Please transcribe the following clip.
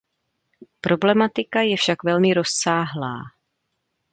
Problematika je však velmi rozsáhlá.